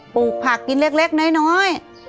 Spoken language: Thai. ปลูกผักกินเล็กน้อย